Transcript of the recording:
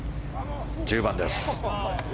１０番です。